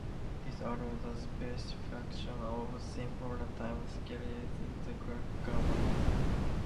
This allows the specification of simple runtime scenarios in a graphical manner.